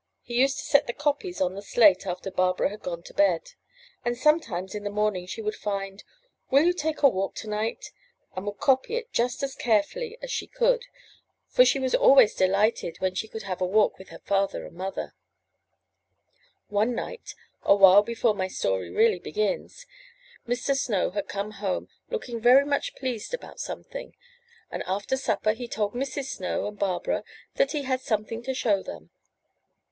He used to set the copies on the slate after Barbara had gone to bed, and sometimes in the morning she would find, *'Will you take a walk to night?*' and would copy it just as carefully as she "^Taken from Play Days, published by Houghton Mifflin Company. 434 UP ONE PAIR OF STAIRS could, for she was always delighted when she could have a walk with her father and mother. One night, a while before my story really begins, Mr. Snow had come home looking very much pleased about something, and after supper he told Mrs. Snow and Barbara that he had something to show them.